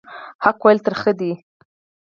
حق ویل ترخه دي